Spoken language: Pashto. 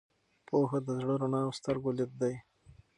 پوهه د زړه رڼا او د سترګو لید دی.